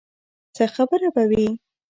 څه خبره به وي.